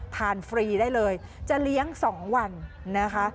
ฟรีได้เลยจะเลี้ยง๒วันนะคะ